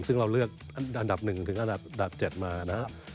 ซึ่งเราเลือกอันดับ๑ถึงอันดับ๗มานะครับ